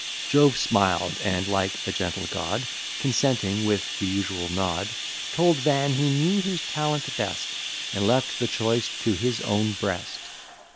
Jove smiled, and, like a gentle god, Consenting with the usual nod, Told Van, he knew his talent best, And left the choice to his own breast.